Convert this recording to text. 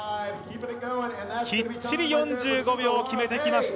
きっちり４５秒決めてきました。